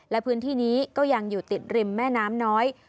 และพื้นที่นี้ก็ยังอยู่ติดริมแม่น้ำน้อย